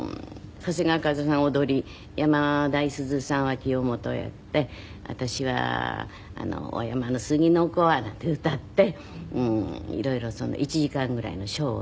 長谷川一夫さんは踊り山田五十鈴さんは清元をやって私は「お山の杉の子は」なんて歌って色々１時間ぐらいのショーをね見せて。